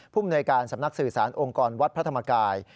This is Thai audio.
มนวยการสำนักสื่อสารองค์กรวัดพระธรรมกาย